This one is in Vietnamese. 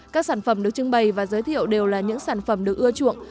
các sản phẩm được trưng bày và giới thiệu đều là những sản phẩm được ưa chuộng